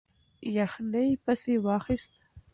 یخنۍ پسې واخیست.